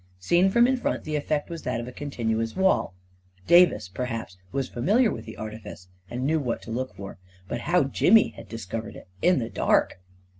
Seen from in front, the effect was that of a continuous wall; Davis, perhaps, was fa miliar with the artifice, and knew what to look for; but how Jimmy .had discovered it, in the dark